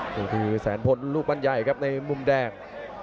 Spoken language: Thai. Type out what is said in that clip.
นี่คือแสนพลลูกบ้านใหญ่ครับในมุมแดง